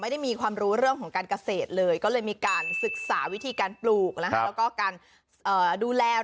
ไม่ได้มีความรู้เรื่องของการเกษตรเลย